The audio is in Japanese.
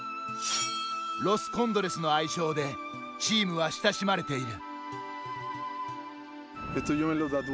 ロス・コンドレスの愛称でチームは親しまれている。